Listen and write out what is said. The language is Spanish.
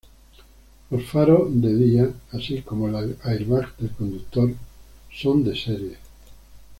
Los faros de día, así como el airbag del conductor son de serie.